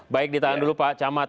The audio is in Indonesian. baik ditahan dulu pak camat